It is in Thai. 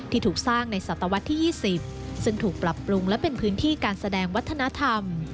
ถูกสร้างในศตวรรษที่๒๐ซึ่งถูกปรับปรุงและเป็นพื้นที่การแสดงวัฒนธรรม